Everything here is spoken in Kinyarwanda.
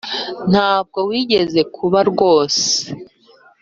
ntabwo wigeze kuba rwose